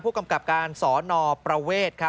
กำกับการสนประเวท